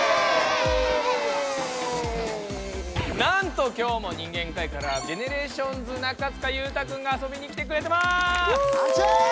なんと今日も人間界からＧＥＮＥＲＡＴＩＯＮＳ中務裕太くんがあそびにきてくれてます！